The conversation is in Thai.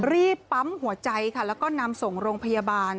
รีบปั๊มหัวใจค่ะแล้วก็นำส่งโรงพยาบาล